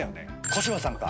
小芝さんか。